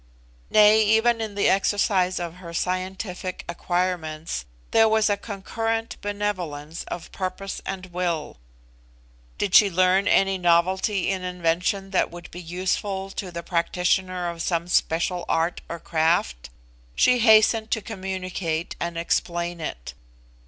Nay, even in the exercise of her scientific acquirements there was a concurrent benevolence of purpose and will. Did she learn any novelty in invention that would be useful to the practitioner of some special art or craft? she hastened to communicate and explain it.